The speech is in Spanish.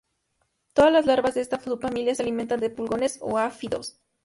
Toda las larvas de esta subfamilia se alimentan de pulgones o áfidos.